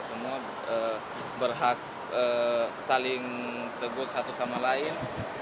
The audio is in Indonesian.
semua berhak saling teguh satu sama lain